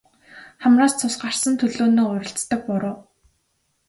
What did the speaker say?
Хамраас цус гарсан төлөөнөө уралцдаг буруу.